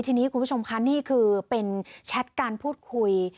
ทีนี้คุณผู้ชมค่ะนี่คือเป็นแชทการพูดคุย